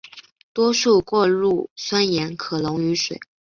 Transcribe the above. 多数过氯酸盐可溶于水。